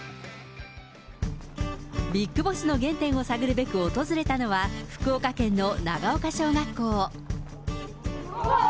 ビッグボスの原点を探るべく訪れたのは、福岡県の長丘小学校。